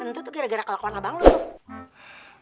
tentu tuh gara gara kelakuan abang lo tuh